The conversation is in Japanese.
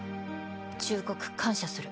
忠告感謝する。